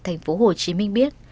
thành phố hồ chí minh biết